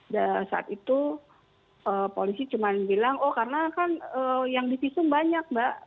dan saat itu polisi cuma bilang oh karena kan yang di visum banyak mbak